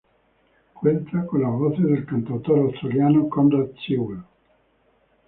Cuenta con las voces del cantautor australiano Conrad Sewell.